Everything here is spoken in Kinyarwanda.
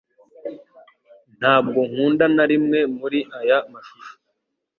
Ntabwo nkunda na rimwe muri aya mashusho